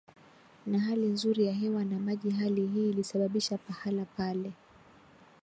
na hali nzuri ya hewa na maji Hali hii ilisababisha pahala pale